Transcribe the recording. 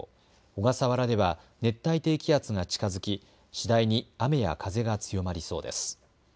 小笠原では熱帯低気圧が近づき次第に雨や風が強まりそうです。